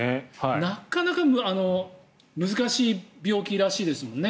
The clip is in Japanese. なかなか難しい病気らしいですよね